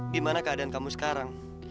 gimana keadaan kamu sekarang